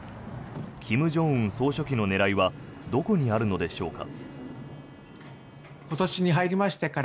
金正恩総書記の狙いはどこにあるのでしょうか。